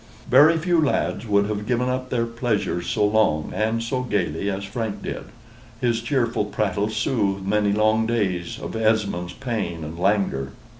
Very few lads would have given up their pleasures so long and so gayly as Frank did; his cheerful prattle soothed many long days of Esmond's pain and languor.